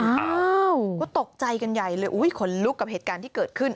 อ้าวก็ตกใจกันใหญ่เลยอุ้ยขนลุกกับเหตุการณ์ที่เกิดขึ้น